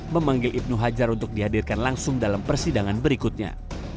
memanggil ibnu hajar untuk dihadirkan langsung dalam persidangan berikutnya